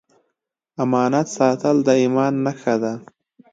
امانت ساتل د ایمان نښه ده.